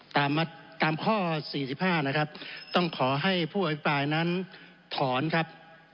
ตามตามข้อสี่สิบห้านะครับต้องขอให้ผู้อภิปรายนั้นถอนครับ